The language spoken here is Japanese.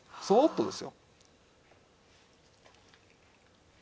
そーっとですよ。